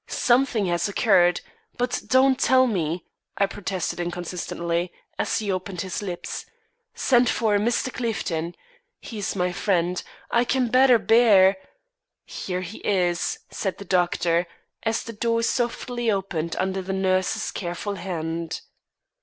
Something has occurred. But don't tell me " I protested inconsistently, as he opened his lips. "Send for Mr. Clifton. He's my friend; I can better bear " "Here he is," said the doctor, as the door softly opened under the nurse's careful hand.